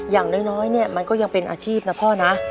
อย่างน้อยเนี่ยมันก็ยังเป็นอาชีพนะพ่อนะ